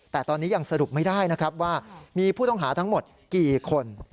แต่ตอนนี้ยังสรุปไม่ได้นะครับว่ามีผู้ต้องหาทั้งหมดกี่คน